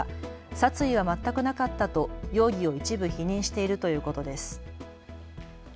殺意は全くなかったと容疑を一部否認しているということです。